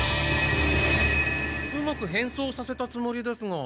うまく変装させたつもりですが。